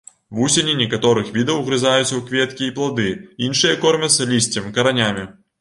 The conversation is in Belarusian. Вусені некаторых відаў угрызаюцца ў кветкі і плады, іншыя кормяцца лісцем, каранямі.